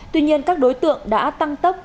tuy nhiên các đối tượng đã tăng tốc